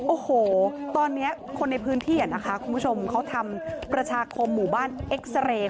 โอ้โหตอนนี้คนในพื้นที่นะคะคุณผู้ชมเขาทำประชาคมหมู่บ้านเอ็กซาเรย์